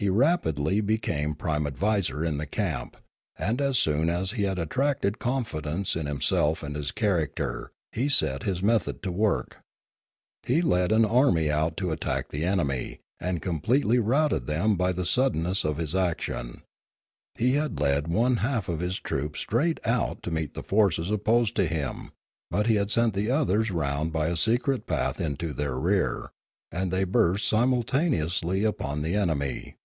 He rapidly became prime adviser in the camp, and as soon as he had attracted confidence in himself and his character he set his method to work. He led an army out to attack the enemy, and completely routed them by the suddenness of his action ; he had led one half of his troops straight out to meet the forces opposed to him, but he had sent the others round by a secret path into their rear, and they burst simultaneously upon the Choktroo 203 enemy.